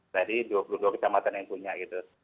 dari dua puluh dua kecamatan yang punya gitu